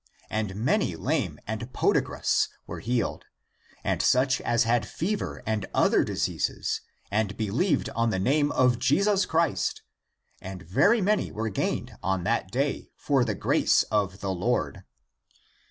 And many^^ lame and podagrous were healed, and such as had fever and other diseases, and believed on the name of Jesus Christ, and very many ^^ were gained on that day for the grace of the Lord.